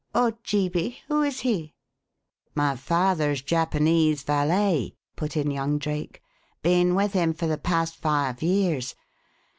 "Ojeebi? Who is he?" "My father's Japanese valet," put in young Drake. "Been with him for the past five years.